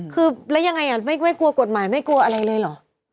คือแล้วยังไงไม่กลัวกฎหมายไม่กลัวอะไรเลยเหรอ